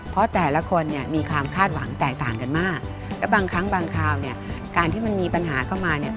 เพราะแต่ละคนเนี่ยมีความคาดหวังแตกต่างกันมากแล้วบางครั้งบางคราวเนี่ยการที่มันมีปัญหาเข้ามาเนี่ย